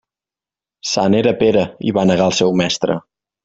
Sant era Pere i va negar el seu mestre.